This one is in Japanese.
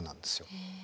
へえ。